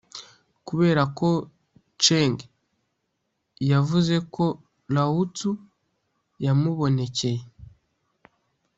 kubera ko chang yavuze ko lao-tzu yamubonekeye,